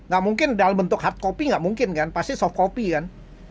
gak mungkin dalam bentuk hard copy gak mungkin kan pasti soft copy kan